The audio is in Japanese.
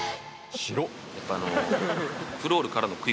「白っ！」